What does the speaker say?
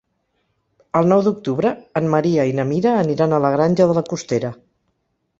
El nou d'octubre en Maria i na Mira aniran a la Granja de la Costera.